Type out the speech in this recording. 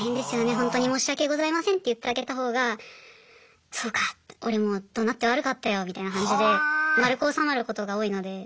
ほんとに申し訳ございませんって言ってあげたほうが「そうか俺もどなって悪かったよ」みたいな感じで丸く収まることが多いので。